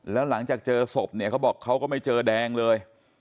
แล้วหลังจากเจอศพเนี่ยเขาบอกเขาก็ไม่เจอแดงเลย